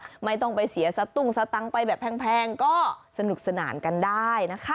จะใช้ตรงไปเสียสัตุงสัตรังไปแบบแพงก็สนุกสนานกันได้นะคะ